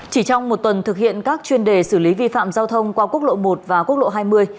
chỉ trong một tuần thực hiện các chuyên đề xử lý vi phạm giao thông qua quốc lộ một và quốc lộ hai mươi